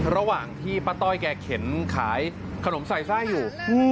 ระหว่างที่ป้าต้อยแกเข็นขายขนมใส่ไส้อยู่